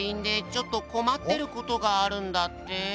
ちょっと困ってることがあるんだって。